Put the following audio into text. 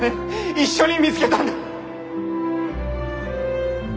一緒に見つけたんだ！